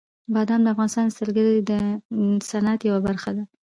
بادام د افغانستان د سیلګرۍ د صنعت یوه برخه ده.